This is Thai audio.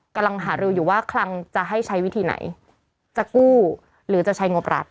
กำลังหารืออยู่ว่าคลังจะให้ใช้วิธีไหนจะกู้หรือจะใช้งบรัฐ